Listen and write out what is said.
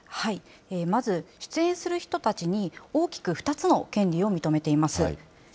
まず出演する人たちに、大きく２つの権利を認めています。